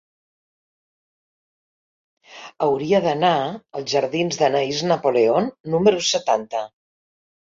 Hauria d'anar als jardins d'Anaïs Napoleon número setanta.